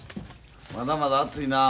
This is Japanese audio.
まだまだ暑いなあ。